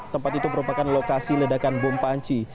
tempat itu merupakan lokasi ledakan bom panci